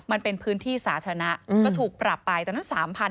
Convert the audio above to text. มันเป็นพื้นที่สาธารณะก็ถูกปรับไปตอนนั้น๓๐๐๐